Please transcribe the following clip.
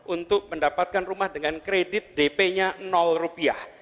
untuk mendapatkan rumah dengan kredit dp nya rupiah